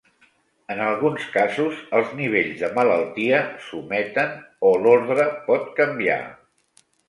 En alguns casos, els nivells de malaltia s'ometen o l'ordre pot canviar.